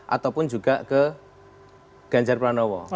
atau pun juga ke ganjar pranowo